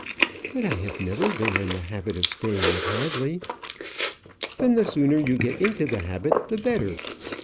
"But I have never been in the habit of staying at Hadley." "Then the sooner you get into the habit the better."